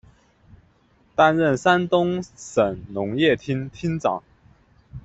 担任山东省农业厅厅长。